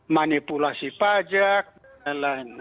manipulasi pajak dan lain lain